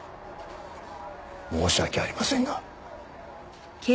申し訳ありませんが。